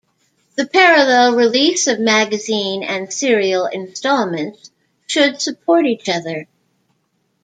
The parallel release of magazine and serial installments should support each other.